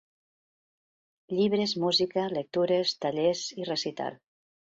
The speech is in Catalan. Llibres, música, lectures, tallers i recital.